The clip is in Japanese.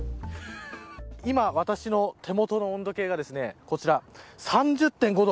今、私の手元の温度計がですねこちら３０．５度。